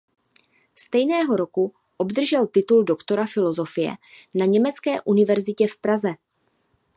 Stejného roku obdržel titul doktora filozofie na Německé univerzitě v Praze.